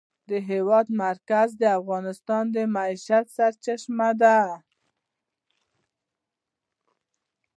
د هېواد مرکز د افغانانو د معیشت سرچینه ده.